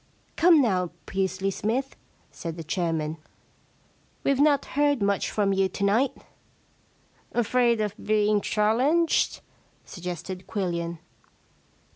* Come, now, Pusely Smythe,' said the chairman, * we've not heard much from you to night.* * Afraid of being challenged ?' suggested Quillian.